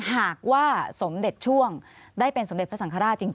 หากว่าสมเด็จช่วงได้เป็นสมเด็จพระสังฆราชจริง